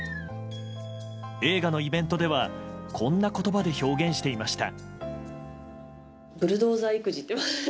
映画のイベントではこんな言葉で表現していました。